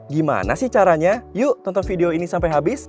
gimana sih caranya yuk tonton video ini sampai habis